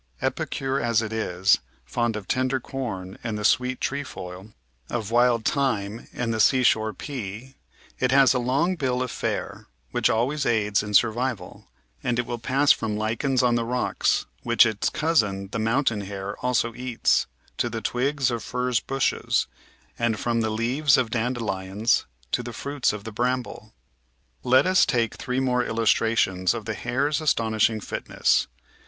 Epicure as it is, fond of tender corn and the sweet trefoil, of wild thjone and the Natural HlstOfy 489 seashore pea, it has a long bill of fare, which always aids in sur vival, and it will pass from lichens on the rocks, which its cousin the mountain hare also eats, to the twigs of furze bushes, and from the leaves of dandelions to the fruits of the bramble. Liet us take three more illustrations of the hare's astonishing fitness.